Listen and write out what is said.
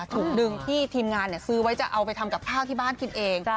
ถุงหนึ่งที่ทีมงานซื้อไว้จะเอาไปทำกับข้าวที่บ้านกินเอง